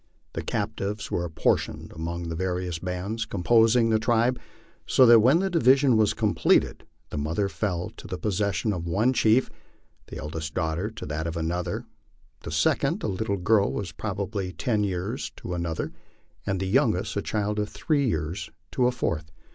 The captives were apportioned among the various bands composing the tribe, so that when the division was completed the mother fell to the possession of one chief, the eldest daughter to that of another, the second, a little girl of probably ten years, to another, and the youngest, a child of three years, to a fourth.